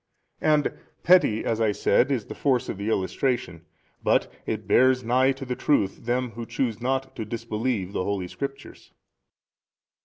And petty (as I said) is the force of the illustration, but it bears nigh to the truth them who choose not to disbelieve the holy Scriptures.